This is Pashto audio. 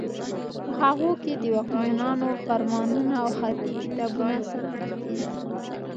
په هغو کې د واکمنانو فرمانونه او خطي کتابونه ساتل کیږي.